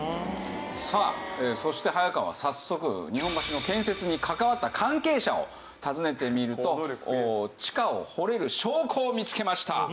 さあそして早川は早速日本橋の建設に関わった関係者を訪ねてみると地下を掘れる証拠を見つけました。